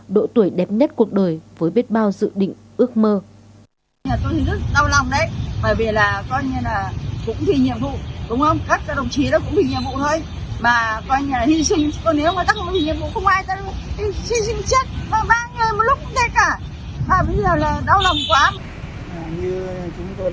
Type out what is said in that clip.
độ tuổi đẹp nhất cuộc đời với biết bao dự định ước mơ